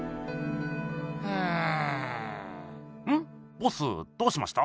ボスどうしました？